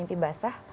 karena mimpi basah